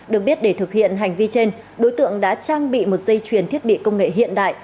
được biết để thực hiện hành vi trên đối tượng đã trang bị một dây chuyền thiết bị công nghệ hiện đại